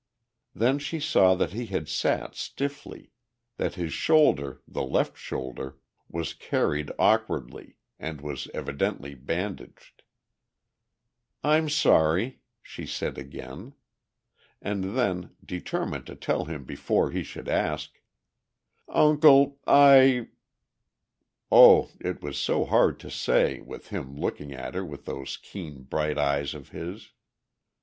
Then she saw that he had sat stiffly, that his shoulder, the left shoulder, was carried awkwardly and was evidently bandaged. "I'm sorry," she said again. And then, determined to tell him before he should ask, "Uncle, I...." Oh, it was so hard to say with him looking at her with those keen, bright eyes of his!